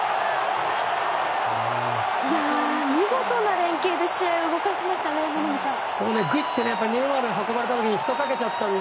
見事な連係で試合を動かしましたね、名波さん。